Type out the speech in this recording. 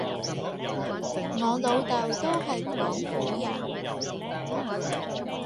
我老豆都係廣府人